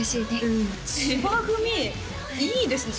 うん千葉組いいですね